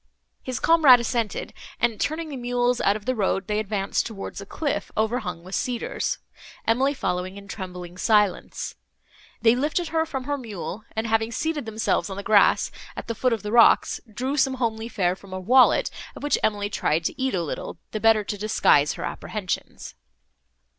His comrade assented, and, turning the mules out of the road, they advanced towards a cliff, overhung with cedars, Emily following in trembling silence. They lifted her from her mule, and, having seated themselves on the grass, at the foot of the rocks, drew some homely fare from a wallet, of which Emily tried to eat a little, the better to disguise her apprehensions.